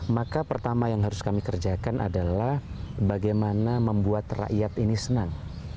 maka pertama yang harus kami kerjakan adalah bagaimana membuat rakyat ini senang